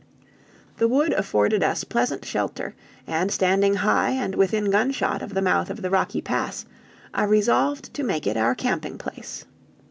The wood afforded us pleasant shelter, and standing high and within gunshot of the mouth of the rocky pass, I resolved to make it our camping place.